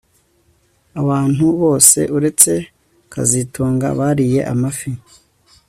Abantu bose uretse kazitunga bariye amafi